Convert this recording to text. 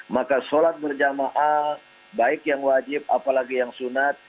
maka sholat berjamaah baik yang wajib apalagi yang sunat